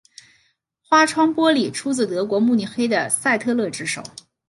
花窗玻璃出自德国慕尼黑的赛特勒之手。